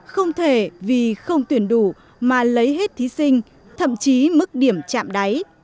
không thể vì không tuyển đủ mà lấy hết thí sinh thậm chí mức điểm chạm đáy